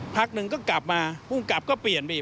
พักหนึ่งก็กลับมาพรุ่งกลับก็เปลี่ยนไป